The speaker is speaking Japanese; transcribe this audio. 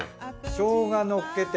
しょうがのっけて。